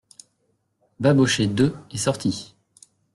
Babochet Il est sorti.